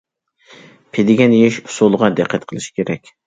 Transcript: پىدىگەن يېيىش ئۇسۇلىغا دىققەت قىلىش كېرەك.